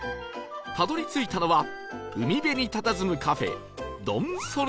たどり着いたのは海辺にたたずむカフェ